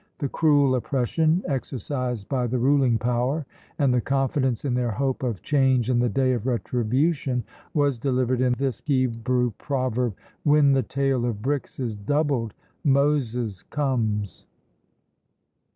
The cruel oppression exercised by the ruling power, and the confidence in their hope of change in the day of retribution, was delivered in this Hebrew proverb "When the tale of bricks is doubled, Moses comes!"